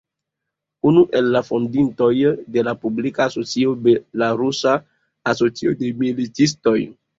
Unu el la fondintoj de la publika asocio "Belarusa Asocio de Militistoj.